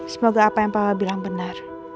semoga apa yang bapak bilang benar